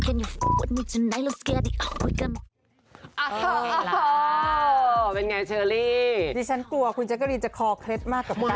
ความชอบเต้นมากจนแบบคอเคล็ดกระดูกแบบต้องไปรักฐานเลย